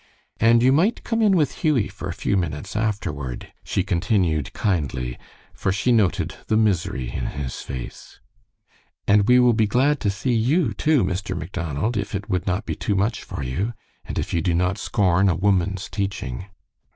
"And you might come in with Hughie for a few minutes afterward," she continued, kindly, for she noted the misery in his face. "And we will be glad to see you, too, Mr. Macdonald, if it would not be too much for you, and if you do not scorn a woman's teaching."